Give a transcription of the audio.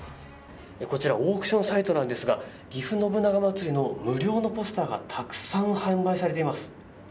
こちらオークションサイトなんですがぎふ信長まつりの無料のポスターがたくさん販売されています。